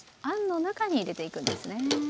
あんの中に入れていくんですね。